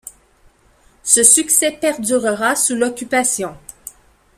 Ce succès perdurera sous l'Occupation.